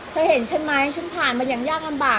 เธอเห็นฉันไหมฉันผ่านมาอย่างยากลำบาก